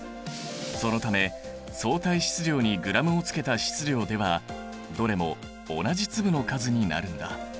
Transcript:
そのため相対質量にｇをつけた質量ではどれも同じ粒の数になるんだ。